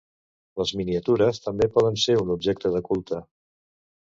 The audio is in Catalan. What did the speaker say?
les miniatures també poden ser un objecte de culte